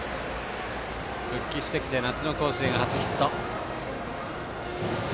復帰してきて、夏の甲子園初ヒット。